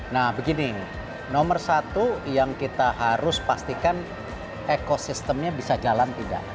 nah begini nomor satu yang kita harus pastikan ekosistemnya bisa jalan tidak